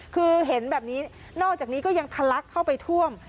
คือเห็นแบบนี้นอกจากนี้ก็ยังทะลักเข้าไปท่วม